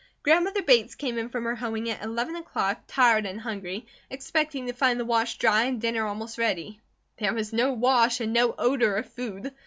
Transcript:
Grandmother Bates came in from her hoeing at eleven o'clock tired and hungry, expecting to find the wash dry and dinner almost ready. There was no wash and no odour of food.